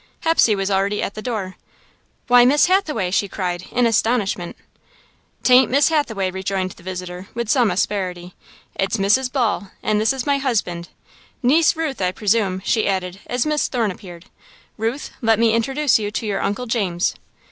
Hepsey was already at the door. "Why, Miss Hathaway!" she cried, in astonishment. "'T ain't Miss Hathaway," rejoined the visitor, with some asperity, "it's Mrs. Ball, and this is my husband. Niece Ruth, I presume," she added, as Miss Thorne appeared. "Ruth, let me introduce you to your Uncle James."